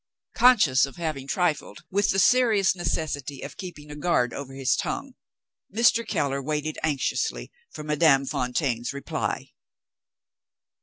Conscious of having trifled with the serious necessity of keeping a guard over his tongue, Mr. Keller waited anxiously for Madame Fontaine's reply.